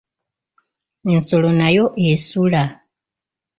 Ensolo nayo esula.